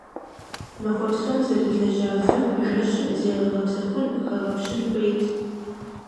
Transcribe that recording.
Махуэ псом зэрылэжьа вым жэщым зегъэгъэпсэхун, хэгъэпщын хуейт.